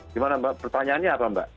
gimana mbak pertanyaannya apa mbak